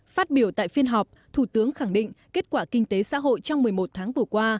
phát biểu tại phiên họp thủ tướng khẳng định kết quả kinh tế xã hội trong một mươi một tháng vừa qua